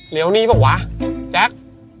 เหลียวนี้เหรอวะจั๊ก